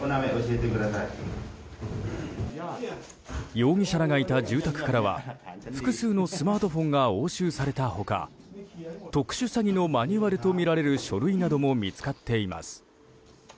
容疑者らがいた住宅からは複数のスマートフォンが押収された他特殊詐欺のマニュアルとみられる書類なども見つかっています。